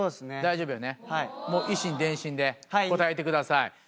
以心伝心で答えてください。